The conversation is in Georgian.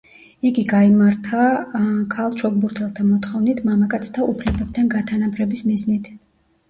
იგი გაიმართა ქალ ჩოგბურთელთა მოთხოვნით მამაკაცთა უფლებებთან გათანაბრების მიზნით.